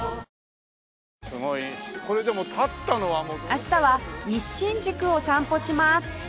明日は西新宿を散歩します